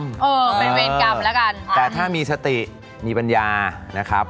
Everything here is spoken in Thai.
กระทานข้าวมีสติมีปัญญานะครับ